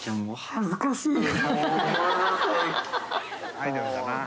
アイドルだな。